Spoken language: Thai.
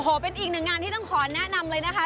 โอ้โหเป็นอีกหนึ่งงานที่ต้องขอแนะนำเลยนะคะ